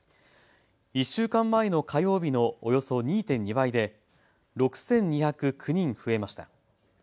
１週間前の火曜日のおよそ２．２倍で６２０９人増えました。